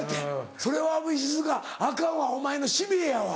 それは石塚アカンわお前の使命やわ。